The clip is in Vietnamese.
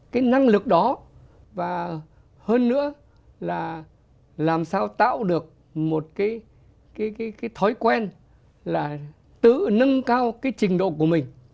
cái năng lực đó và hơn nữa là làm sao tạo được một cái thói quen là tự nâng cao cái trình độ của mình